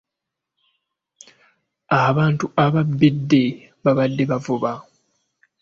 Abantu ababbidde baabadde bavuba.